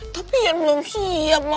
tapi yang belum siap